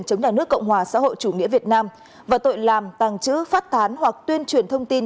chống nhà nước cộng hòa xã hội chủ nghĩa việt nam và tội làm tàng trữ phát tán hoặc tuyên truyền thông tin